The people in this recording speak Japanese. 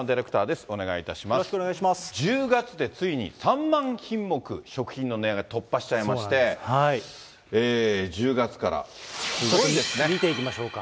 １０月でついに３万品目食品の値上げ、突破しちゃいまして、見ていきましょうか。